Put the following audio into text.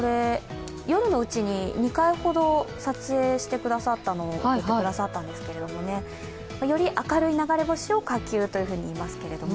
夜のうちに２回ほど撮影してくださったのを送ってくださったんですけれどもより明るい流れ星を火球と言いますけれども。